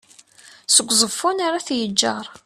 seg uẓeffun ar at yeğğer